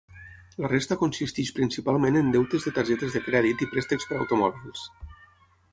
La resta consisteix principalment en deutes de targetes de crèdit i préstecs per automòbils.